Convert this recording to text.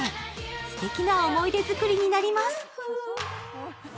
すてきな思い出作りになります。